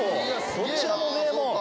こちらも名門。